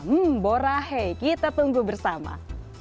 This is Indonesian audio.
hmm bora hei kita tunggu bersama